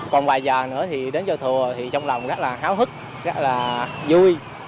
còn vài giờ nữa thì đến cho thùa thì trong lòng rất là háo hức rất là vui